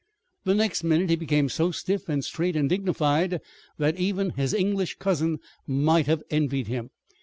"The next minute he became so stiff and straight and dignified that even his English cousin might have envied him.